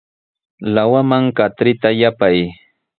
Lawaman katrita yapay.